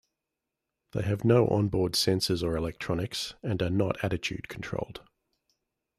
They have no on-board sensors or electronics, and are not attitude-controlled.